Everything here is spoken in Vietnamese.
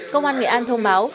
công an nghệ an thông báo